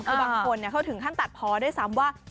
คือบางคนเขาถึงขั้นตัดพอด้วยซ้ำว่า